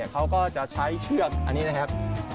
เขาก็จะใช้เชือกอันนี้นะครับ